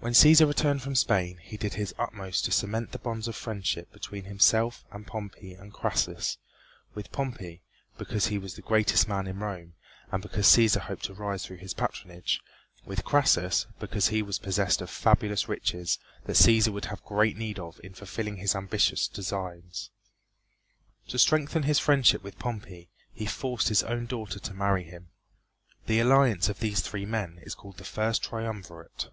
When Cæsar returned from Spain he did his utmost to cement the bonds of friendship between himself and Pompey and Crassus with Pompey, because he was the greatest man in Rome and because Cæsar hoped to rise through his patronage, with Crassus because he was possessed of fabulous riches, that Cæsar would have great need of in fulfilling his ambitious designs. To strengthen his friendship with Pompey he forced his own daughter to marry him. The alliance of these three men is called the First Triumvirate.